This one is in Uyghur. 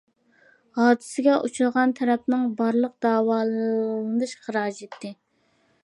ھادىسىگە ئۇچرىغان تەرەپنىڭ بارلىق داۋالىنىش خىراجىتى.